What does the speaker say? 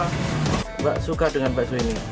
mbak suka dengan bakso ini